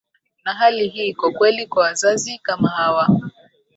na hali hii iko kweli kwa wazazi kama hawa